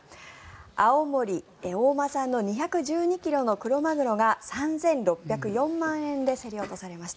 青森・大間産の２１２ｋｇのクロマグロが３６０４万円で競り落とされました。